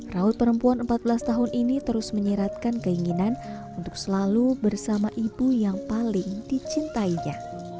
raut perempuan empat belas tahun ini terus menyiratkan keinginan untuk selalu bersama ibu yang paling dicintainya